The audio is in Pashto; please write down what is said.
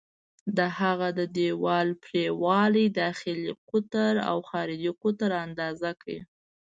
د هغه د دیوال پرېړوالی، داخلي قطر او خارجي قطر اندازه کړئ.